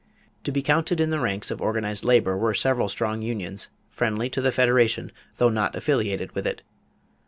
To be counted in the ranks of organized labor were several strong unions, friendly to the Federation, though not affiliated with it.